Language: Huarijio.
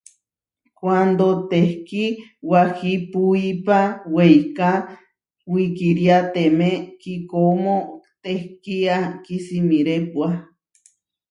Kuándo tehkí wahipuipa weiká wikíriateme kíkómo téhkia kísimirépua.